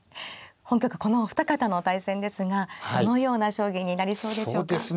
本局このお二方の対戦ですがどのような将棋になりそうでしょうか。